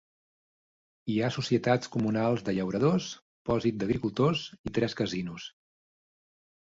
Hi ha Societats Comunals de Llauradors, Pòsit d'agricultors i tres casinos.